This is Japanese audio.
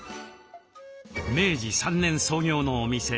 明治３年創業のお店。